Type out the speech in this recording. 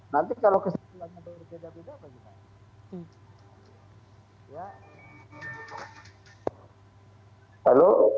nanti kalau kesimpulannya berbeda beda bagaimana